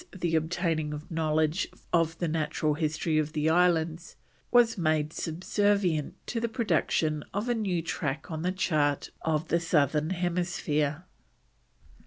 the obtaining a knowledge of the natural history of the islands, was made subservient to the production of a new track on the chart of the Southern Hemisphere.